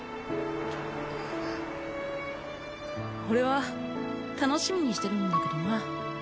俺は楽しみにしてるんだけどな